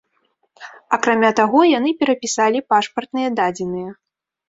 Акрамя таго яны перапісалі пашпартныя дадзеныя.